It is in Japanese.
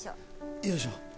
よいしょ。